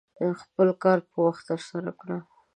خپل کار په وخت ترسره کړه.